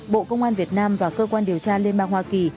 bộ công an việt nam và cơ quan điều tra liên bang hoa kỳ